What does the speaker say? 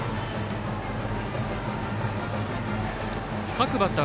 各バッター